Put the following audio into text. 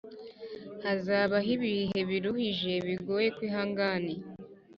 Hazabaho ibihe biruhije bigoye kwihangani